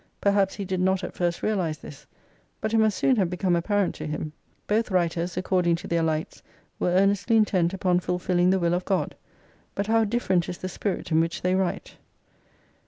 Perhaps he did not at first realise this ; but it must soon have become apparent to him. Both writers, according to their lights, were earnestly intent upon fulfilling the will of God — but how different is the spirit in which they write